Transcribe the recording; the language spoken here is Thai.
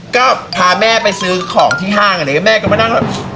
ก็พาแม่ไปซื้อของที่ห้างแม่ก็มานั่ง